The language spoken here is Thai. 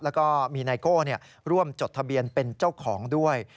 แล้วก็มีไนโก้ร่วมจดทะเบียนเป็นเจ้าของด้วย